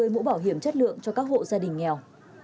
hai mươi mũ bảo hiểm chất lượng cho các hộ gia đình nghèo